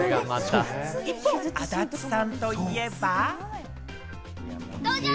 一方、安達さんといえば。